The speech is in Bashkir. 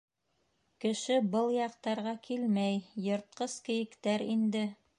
Кеше был яҡтарға килмәй, йыртҡыс-кейектәр инде...